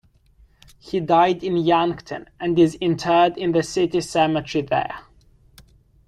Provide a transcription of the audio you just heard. He died in Yankton, and is interred in the City Cemetery there.